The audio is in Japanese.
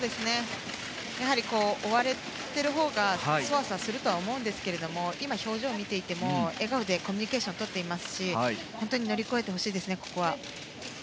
やはり追われているほうがソワソワすると思うんですが今、表情を見ていても笑顔でコミュニケーションをとっていますしここは乗り越えてほしいです。